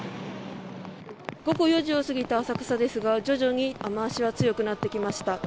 午後４時を過ぎた浅草ですが徐々に雨脚は強くなってきました。